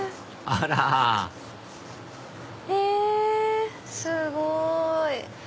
あらへぇすごい！